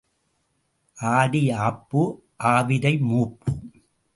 ஆடி ஆப்பு, ஆவிரை மூப்பு.